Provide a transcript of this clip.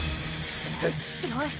よし。